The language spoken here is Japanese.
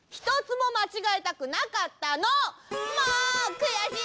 くやしい